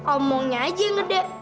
omongnya aja ngedek